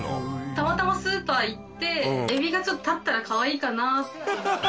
たまたまスーパー行ってエビが立ったらかわいいかなって。